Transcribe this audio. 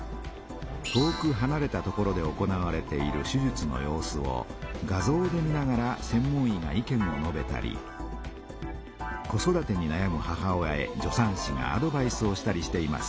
遠くはなれた所で行われている手術の様子を画ぞうで見ながらせん門医が意見をのべたり子育てになやむ母親へ助産師がアドバイスをしたりしています。